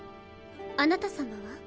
あなた様は？